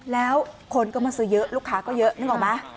แล้วคนก็มาซื้อเยอะลูกค้าก็เยอะนึกออกไหม